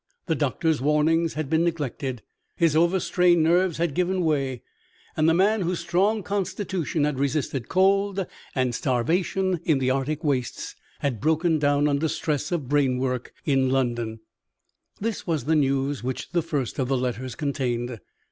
The doctor's warnings had been neglected; his over strained nerves had given way; and the man whose strong constitution had resisted cold and starvation in the Arctic wastes, had broken down under stress of brain work in London. This was the news which the first of the letters contained.